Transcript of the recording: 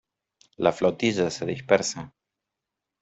la flotilla se dispersa.